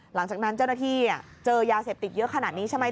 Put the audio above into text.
หลังจากนั้นเจ้าหน้าที่เจอยาเสพติดเยอะขนาดนี้ใช่ไหม